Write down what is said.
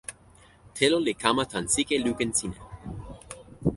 telo li kama tan sike lukin sina.